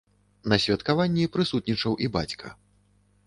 На святкаванні прысутнічаў і бацька.